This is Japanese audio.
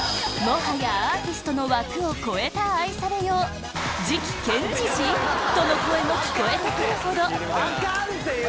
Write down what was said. もはやアーティストの枠を超えた愛されようとの声も聞こえて来るほどアカンって！